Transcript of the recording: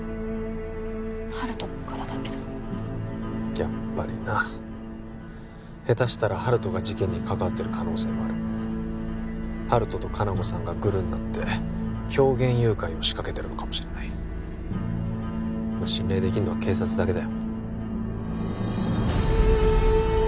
温人からだけどやっぱりなヘタしたら温人が事件に関わってる可能性もある温人と香菜子さんがグルになって狂言誘拐を仕掛けてるのかもしれない信頼できるのは警察だけだよ